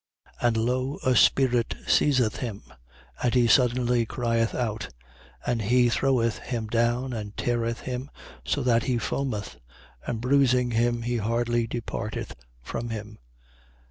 9:39. And lo, a spirit seizeth him, and he suddenly crieth out, and he throweth him down and teareth him, so that he foameth; and bruising him, he hardly departeth from him.